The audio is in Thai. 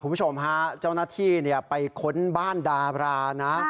คุณผู้ชมฮะเจ้าหน้าที่ไปค้นบ้านดารานะ